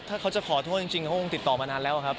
ถ้าเขาจะขอโทษจริงเขาคงติดต่อมานานแล้วครับ